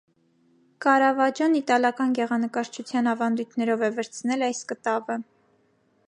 Կարավաջոն իտալական գեղանկարչության ավանդույթներով է վրձնել այս կտավը։